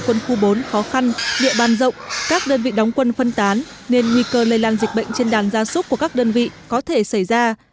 quân khu bốn khó khăn địa bàn rộng các đơn vị đóng quân phân tán nên nguy cơ lây lan dịch bệnh trên đàn gia súc của các đơn vị có thể xảy ra